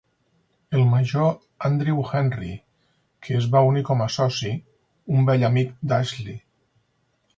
El major Andrew Henry, que es va unir com a soci, un vell amic d'Ashley.